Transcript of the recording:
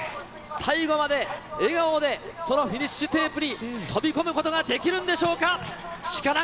最後まで笑顔で、そのフィニッシュテープに飛び込むことはできるんでしょうか。